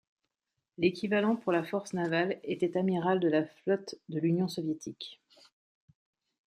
L'équivalent pour la force navale était amiral de la flotte de l'Union soviétique.